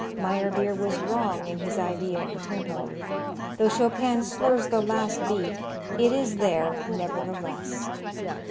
Meyerbeer was wrong in his idea of the tempo. Though Chopin slurs the last beat, it is there, nevertheless.